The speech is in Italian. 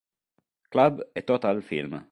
Club e Total Film.